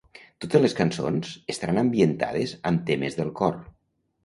Totes les cançons estaran ambientades amb temes del cor.